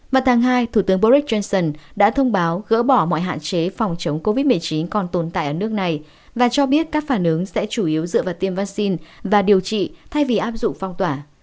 vào tháng hai thủ tướng boris johnson đã thông báo gỡ bỏ mọi hạn chế phòng chống covid một mươi chín còn tồn tại ở nước này và cho biết các phản ứng sẽ chủ yếu dựa vào tiêm vaccine và điều trị thay vì áp dụng phong tỏa